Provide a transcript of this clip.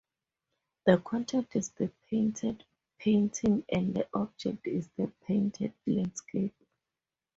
The content is the painted painting and the object is the painted landscape.